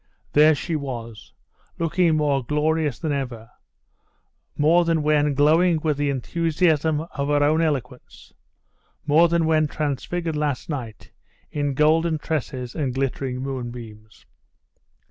There she was! looking more glorious than ever; more than when glowing with the enthusiasm of her own eloquence; more than when transfigured last night in golden tresses and glittering moonbeams.